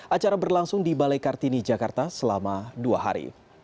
acara berlangsung di balai kartini jakarta selama dua hari